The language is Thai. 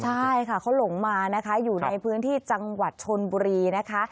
ใช่ค่ะเขาหลงมานะคะอยู่ในพื้นที่จังหวัดชนบุรีนะคะ